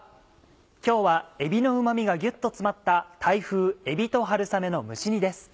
今日はえびのうま味がギュっと詰まった「タイ風えびと春雨の蒸し煮」です。